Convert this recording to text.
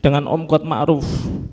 dengan om gautma aruf